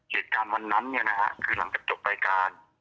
เหตุการณ์วันนั้นเนี่ยนะฮะคือหลังจากจบรายการ